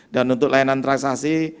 dan untuk layanan transaksi